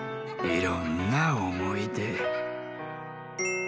いろんなおもいで。